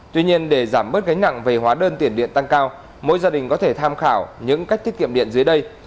tuy nhiên để giảm bớt gánh nặng về hóa đơn tiền điện tăng cao mỗi gia đình có thể tham khảo những cách tiết kiệm điện dưới đây